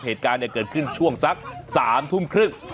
เหตุการณ์เกิดขึ้นช่วงสัก๓ทุ่มครึ่ง